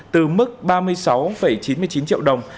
từ mức ba mươi sáu chín mươi chín triệu đồng